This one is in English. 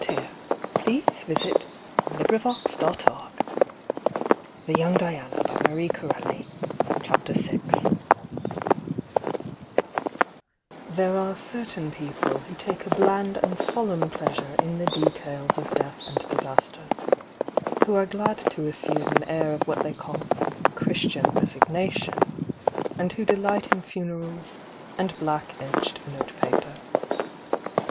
— you don't look 'mature' enough for that Dr. Dimitrius!" CHAPTER VI There are certain people who take a bland and solemn pleasure in the details of death and disaster —Who are glad to assume an air of what they call Chnstian resipiation," and who delight in funerals and black edged note paper.